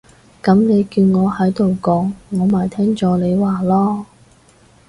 噉你叫我喺度講，我咪聽咗你話囉